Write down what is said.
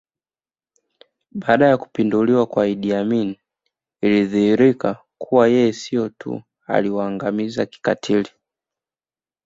Baada ya kupinduliwa kwa Idi Amin ilidhihirika kuwa yeye sio tu aliwaangamiza kikatili